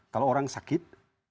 kalau orang sakit